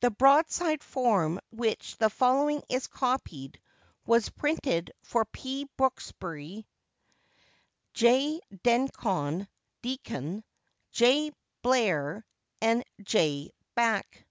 The broadside from which the following is copied was 'Printed for P. Brooksby, J. Dencon [Deacon], J. Blai[r], and J. Back.